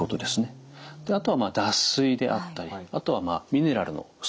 あとは脱水であったりあとはミネラルの不足。